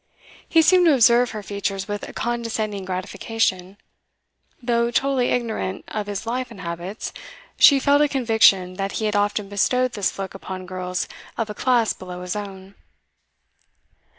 He seemed to observe her features with a condescending gratification. Though totally ignorant of his life and habits, she felt a conviction that he had often bestowed this look upon girls of a class below his own.